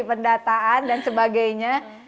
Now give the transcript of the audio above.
pendataan dan sebagainya